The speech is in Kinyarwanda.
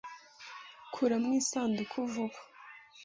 Kuramo iyi sanduku vuba.